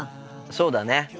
そうだね。